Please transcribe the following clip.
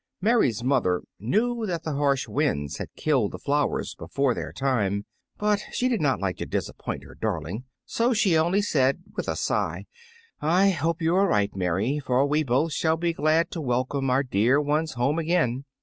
Mary's mother knew that the harsh winds had killed the flowers before their time, but she did not like to disappoint her darling, so she only said, with a sigh, "I hope you are right, Mary, for we both shall be glad to welcome our dear ones home again."